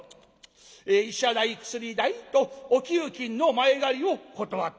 医者代薬代とお給金の前借りを断った。